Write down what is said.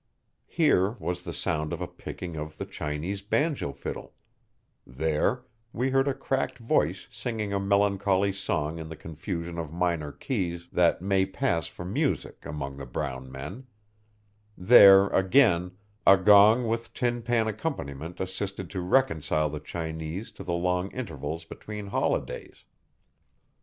Here, was the sound of the picking of the Chinese banjo fiddle; there, we heard a cracked voice singing a melancholy song in the confusion of minor keys that may pass for music among the brown men; there, again, a gong with tin pan accompaniment assisted to reconcile the Chinese to the long intervals between holidays.